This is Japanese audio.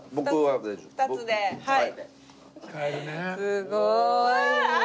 すごい！